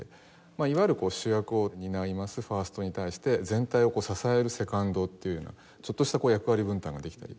まあいわゆる主役を担いますファーストに対して全体を支えるセカンドというようなちょっとした役割分担ができたり。